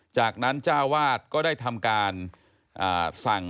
จากนั้นเจ้าวาดก็ได้ทำการสั่ง